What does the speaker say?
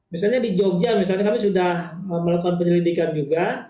misalnya di jogja misalnya kami sudah melakukan penyelidikan juga